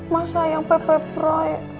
masa yang pepebrai